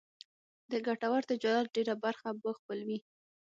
د ګټور تجارت ډېره برخه به خپلوي.